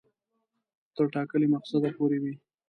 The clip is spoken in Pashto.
تر ټاکلي مقصده پوري وي.